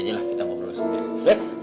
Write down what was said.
apa itu kekrincingan